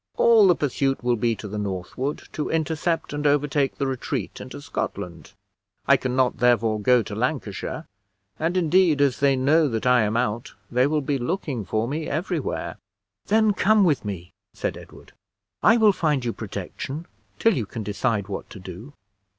"All the pursuit will be to the northward, to intercept and overtake the retreat into Scotland. I can not therefore go to Lancashire; and, indeed, as they know that I am out, they will be looking for me every where." "Then come with me," said Edward, "I will find you protection till you can decide what to do.